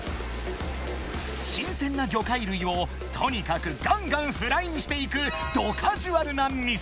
［新鮮な魚介類をとにかくがんがんフライにしていくどカジュアルな店］